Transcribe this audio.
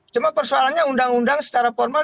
cuma persoalannya undang undang secara formal